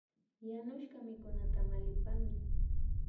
Yanushka mikunata mallipanki